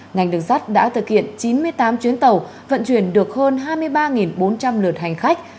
ngành đường sắt đã thực hiện chín mươi tám chuyến tàu vận chuyển được hơn hai mươi ba bốn trăm linh lượt hành khách